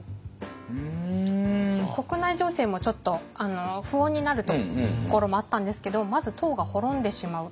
国内情勢もちょっと不穏になるところもあったんですけどまず唐が滅んでしまう。